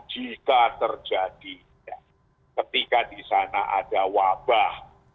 jika terjadi ketika disana ada wabah